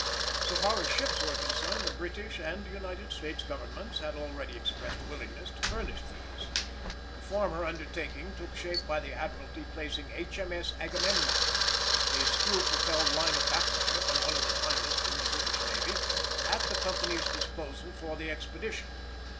So far as ships were concerned, the British and United States Governments had already expressed willingness to furnish these. The former undertaking took shape by the Admiralty placing H.M.S. Agamemnon (a screw propelled line of battle ship and one of the finest in the British navy) at the company's disposal for the expedition.